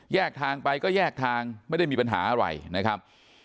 ทางไปก็แยกทางไม่ได้มีปัญหาอะไรนะครับ